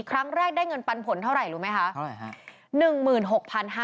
ครั้งแรกได้เงินปันผลเท่าไหร่รู้ไหมคะ